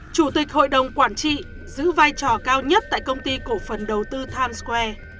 chủ tịch hội đồng quản trị giữ vai trò cao nhất tại công ty cổ phần đầu tư times square